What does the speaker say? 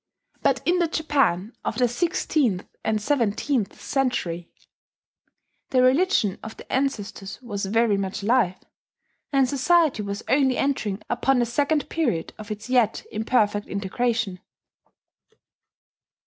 But in the Japan of the sixteenth and seventeenth centuries, the religion of the ancestors was very much alive; and society was only entering upon the second period of its yet imperfect integration.